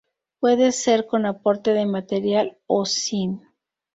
Puede ser con aporte de material o sin.